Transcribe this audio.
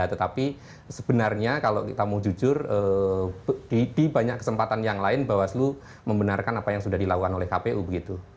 tetapi sebenarnya kalau kita mau jujur di banyak kesempatan yang lain bawaslu membenarkan apa yang sudah dilakukan oleh kpu begitu